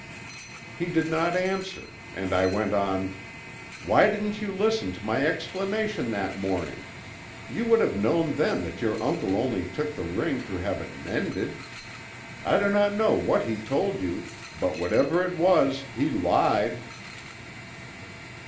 "He did not answer and I went on: 'Why didn't you listen to my explanation that morning? You would have known then that your uncle only took the ring to have it mended. I do not know what he told you, but whatever it was, he lied.'